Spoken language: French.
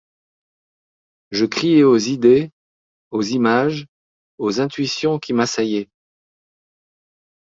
Je criais aux idées, aux images, aux intuitions qui m’assaillaient.